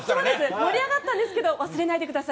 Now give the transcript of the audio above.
盛り上がったんですが忘れないでください